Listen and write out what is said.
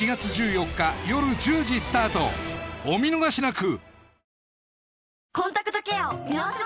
お見逃しなく！